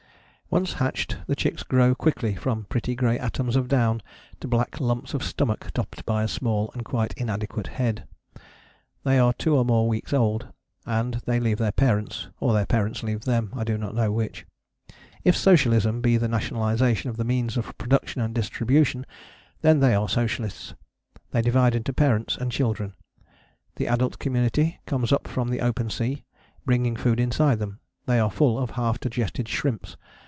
Once hatched the chicks grow quickly from pretty grey atoms of down to black lumps of stomach topped by a small and quite inadequate head. They are two or more weeks old, and they leave their parents, or their parents leave them, I do not know which. If socialism be the nationalization of the means of production and distribution, then they are socialists. They divide into parents and children. The adult community comes up from the open sea, bringing food inside them: they are full of half digested shrimps.